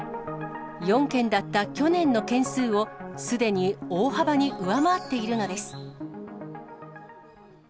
４件だった去年の件数をすでに大幅に上回っているのです。